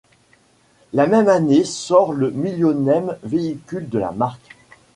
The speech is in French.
La même année sort le millionième véhicule de la marque.